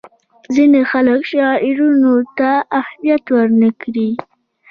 ځینې خلک شعارونو ته اهمیت ورنه کړي.